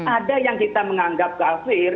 ada yang kita menganggap kafir